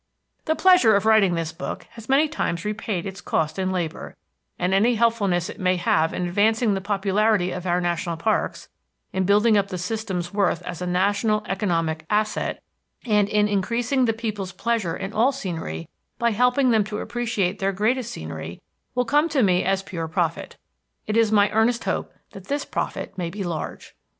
The pleasure of writing this book has many times repaid its cost in labor, and any helpfulness it may have in advancing the popularity of our national parks, in building up the system's worth as a national economic asset, and in increasing the people's pleasure in all scenery by helping them to appreciate their greatest scenery, will come to me as pure profit. It is my earnest hope that this profit may be large.